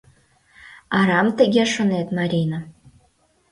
Арам тыге шонет, Марина.